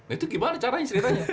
itu gimana caranya istilahnya